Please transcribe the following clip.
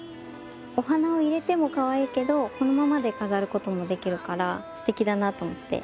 お花を入れてもカワイイけどこのままで飾ることもできるからステキだなと思って。